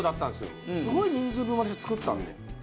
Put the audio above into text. すごい人数分を私作ったんで。